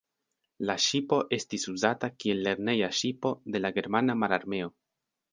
La ŝipo estis uzata kiel lerneja ŝipo de la Germana Mararmeo.